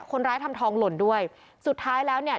คนร้ายทำทองหล่นด้วยสุดท้ายแล้วเนี่ย